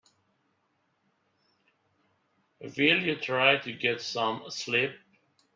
Will you try to get some sleep?